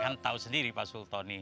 kan tahu sendiri pak sultoni